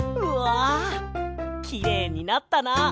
うわきれいになったな。